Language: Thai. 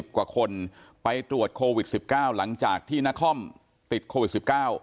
กว่าคนไปตรวจโควิด๑๙หลังจากที่นครติดโควิด๑๙